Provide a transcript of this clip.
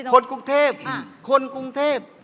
คนกรุงเทพคนกรุงเทพ